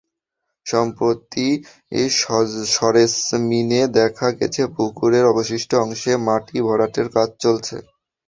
সম্প্রতি সরেজমিনে দেখা গেছে, পুকুরের অবশিষ্ট অংশে মাটি ভরাটের কাজ চলছে।